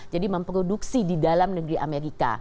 memproduksi di dalam negeri amerika